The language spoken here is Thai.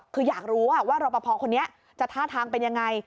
คืออยากรู้ว่ารอปภคนนี้จะท่าทางเป็นยังไง